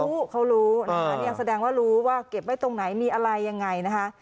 รู้เขารู้นะคะนี่แสดงว่ารู้ว่าเก็บไว้ตรงไหนมีอะไรยังไงนะคะ